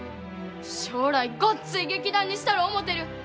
将来ごっつい劇団にしたろ思うてる。